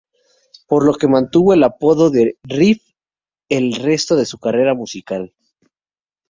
Por lo que mantuvo el apodo de "Riff" el resto de su carrera musical